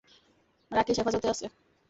রাকেশ হেফাজতে আছে।